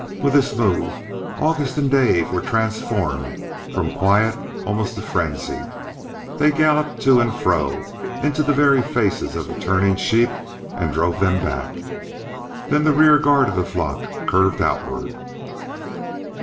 With this move August and Dave were transformed from quiet almost to frenzy. They galloped to the fore, and into the very faces of the turning sheep, and drove them back. Then the rear guard of the flock curved outward.